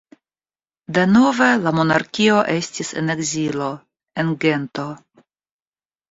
Denove la monarkio estis en ekzilo, en Gento.